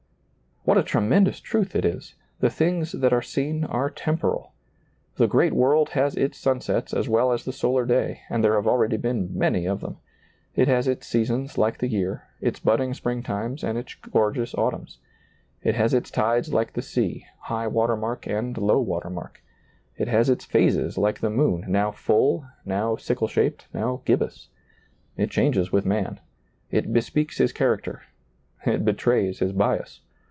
What a tremendous truth it is ! The things that are seen are temporal. The great world has its sunsets as well as the solar day, and there have already been many of them. It has its seasons like the year, its budding spring times and its gor geous autumns. It has its tides like the sea, high water mark and low water mark. It has its phases like the moon, now full, now sickle shaped, now gibbous. It changes with man. It bespeaks his cliaracter. It betrays his bias.